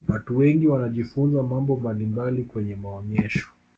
watu wengi wanajifunza mambo mbalimbali kwenye maonesho